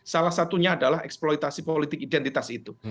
salah satunya adalah eksploitasi politik identitas itu